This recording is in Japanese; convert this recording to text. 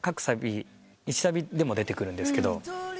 １サビでも出てくるんですけど。